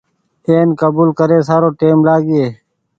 اين ڪبول ڪري سارو ٽيم لآگيئي۔